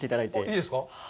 いいですか？